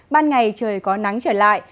ban ngày trời có nắng trở lại